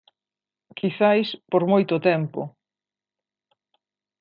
Quizais por moito tempo.